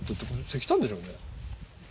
石炭でしょうね。